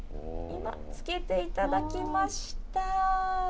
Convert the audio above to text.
今つけていただきました。